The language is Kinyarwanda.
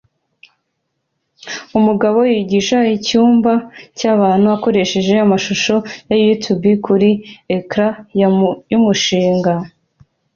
Umugabo yigisha icyumba cyabantu akoresheje amashusho ya You Tube kuri ecran ya umushinga